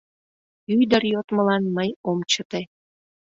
Ӱдыр йодмылан мый ом чыте.